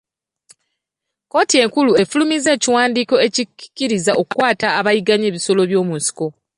Kkooti enkulu efulumizza ekiwandiiko ekikkiriza okukwata abayigga ebisolo by'omu nsiko.